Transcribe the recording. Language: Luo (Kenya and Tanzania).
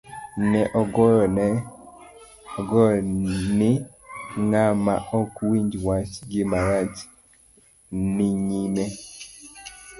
Ne okong'eyo ni ng'ama ok winj wach, gima rach ni nyime.